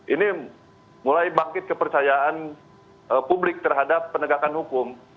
ini mulai bangkit kepercayaan publik terhadap penegakan hukum